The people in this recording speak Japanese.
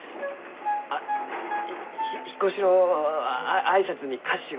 あ引っ越しのあ挨拶に菓子を。